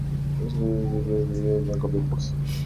Los manuscritos posteriores derivan de la copia de Poggio.